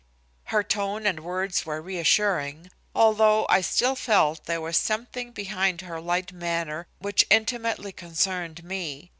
Her tone and words were reassuring, although I still felt there was something behind her light manner which intimately concerned me.